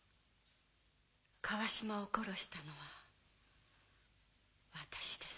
川島を殺したのは私です。